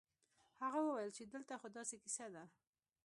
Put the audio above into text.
هغه وويل چې دلته خو داسې کيسه ده.